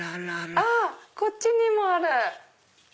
あっこっちにもある！